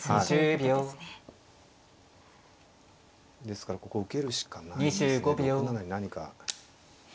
ですからここ受けるしかないですけど６七に何か。